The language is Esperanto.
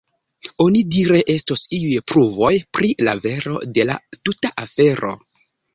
Onidire estos iuj pruvoj pri la vero de la tuta afero.